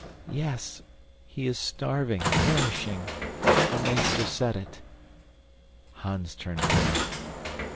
"Yes. He is starving perishing. A meester said it." Hans turned pale.